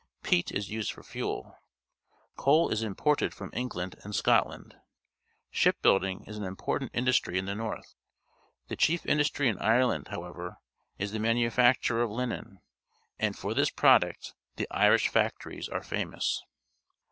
Peat is used for fuel. Coal is imported from England and Scotland. Ship building is an important industry in the north. The chief^indiistry in Ireland, however, is the manufacture of linen , and for this product the Irish factories are famous.